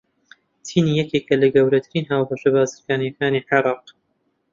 چین یەکێکە لە گەورەترین هاوبەشە بازرگانییەکانی عێراق.